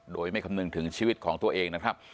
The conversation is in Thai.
โดยไม่คำนึงถึงชีวิตของตัวเองนะครับ